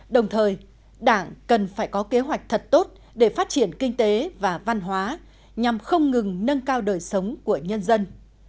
đồng thời đảng cần phải có kế hoạch thật tốt để phát triển kinh tế và văn hóa nhằm không ngừng nâng cao đời sống của nhân dân